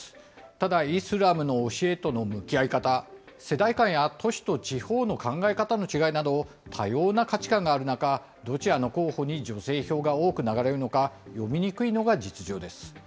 ただ、イスラムの教えとの向き合い方、世代間や都市と地方の考え方の違いなど、多様な価値観がある中、どちらの候補に女性票が多く流れるのか、読みにくいのが実情です。